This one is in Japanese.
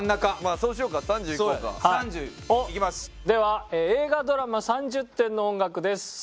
では映画・ドラマ３０点の音楽です。